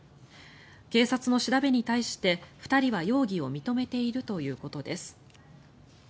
警察の調べに対して２人は容疑を認めているということです。